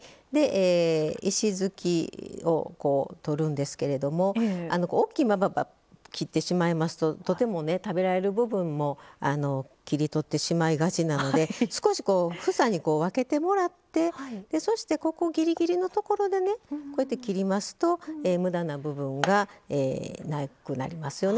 石づきをとるんですけども、大きい切ってしまいますと、とても食べられる部分も切り取ってしまいがちなので少し房に分けてもらってそして、ここぎりぎりのところで切りますとむだな部分がなくなりますよね。